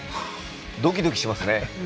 ドキドキしますね。